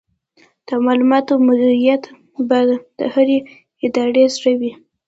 د معلوماتو مدیریت به د هرې ادارې زړه وي.